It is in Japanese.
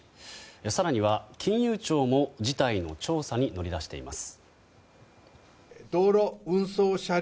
更には、金融庁も事態の調査に乗り出しています。